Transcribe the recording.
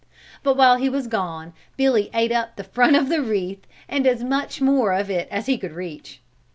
But while he was gone Billy ate up the front of the wreath and as much more of it as he could reach.